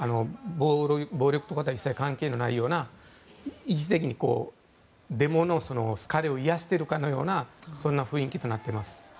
暴力とか一斉関係のないような一時的にデモの疲れを癒やしているかのようなそんな雰囲気となっています。